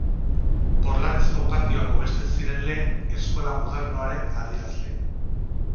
Porlanezko patioak hobesten ziren lehen, eskola modernoaren adierazle.